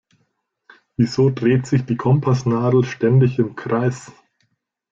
Wieso dreht sich die Kompassnadel ständig im Kreis?